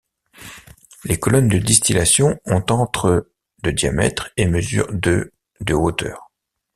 Les colonnes de distillation ont entre de diamètre, et mesurent de de hauteur.